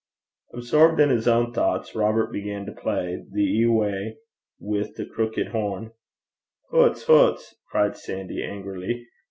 Absorbed in his own thoughts, Robert began to play The Ewie wi' the Crookit Horn. 'Hoots! hoots!' cried Sandy angrily.